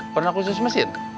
pernah khusus mesin